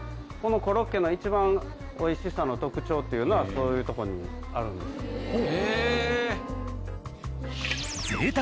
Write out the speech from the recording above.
このコロッケのいちばん美味しさの特徴っていうのはそういうとこにあるんです。